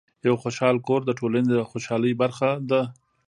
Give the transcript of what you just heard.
یو خوشحال کور د ټولنې د خوشحالۍ برخه ده.